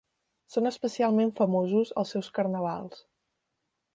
Són especialment famosos els seus carnavals.